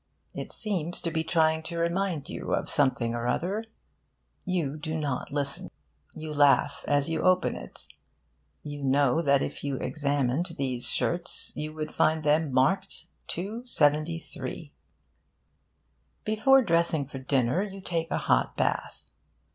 It seems to be trying to remind you of something or other. You do not listen. You laugh as you open it. You know that if you examined these shirts you would find them marked '273.' Before dressing for dinner, you take a hot bath.